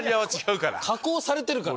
加工されてるから。